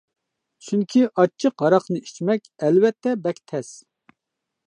چۈنكى ئاچچىق ھاراقنى ئىچمەك ئەلۋەتتە بەك تەس.